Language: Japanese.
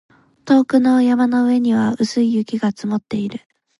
遠くの山の上には薄い雪が積もっている